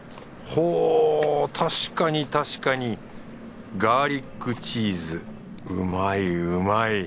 ほう確かに確かにガーリックチーズうまいうまい。